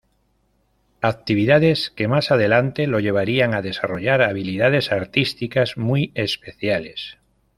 Actividades que más adelante lo llevarían a desarrollar habilidades artísticas muy especiales.